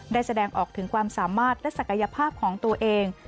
แสดงออกถึงความสามารถและศักยภาพของตัวเอง